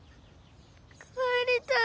帰りたい。